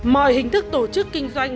mọi hình thức tổ chức kinh doanh